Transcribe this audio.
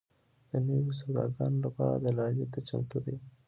د نویو سوداګانو لپاره دلالۍ ته چمتو دي.